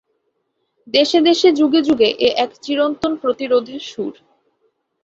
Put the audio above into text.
দেশে দেশে, যুগে যুগে এ এক চিরন্তন প্রতিরোধের সুর।